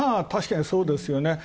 たしかにそうですよね。